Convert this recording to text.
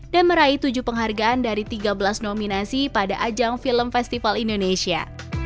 dan meraih tujuh penghargaan dari tiga belas nominasi pada ajang film festival indonesia